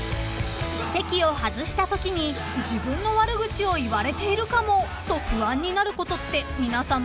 ［席を外したときに自分の悪口を言われているかもと不安になることって皆さんもありますか？］